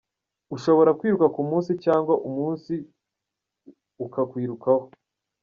Ushobora kwiruka ku munsi cyangwa umunsi ukakwirukaho.